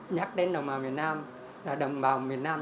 nhắc đến đồng bào miền nam